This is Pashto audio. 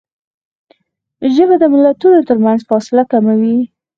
ژبه د ملتونو ترمنځ فاصله کموي